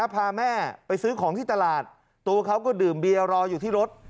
พาแม่ไปซื้อของที่ตลาดตัวเขาก็ดื่มเบียร์รออยู่ที่รถ